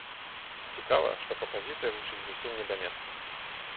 Цікава, што кампазіцыя гучыць зусім не да месца.